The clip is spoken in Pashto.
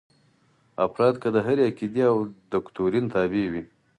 افراد که د هرې عقیدې او دوکتورین تابع وي.